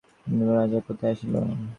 কোশলের রাজা কোথা হইতে আসিল?